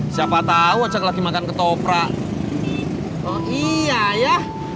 siapa tahu ajak lagi makan ketoprak oh iya ya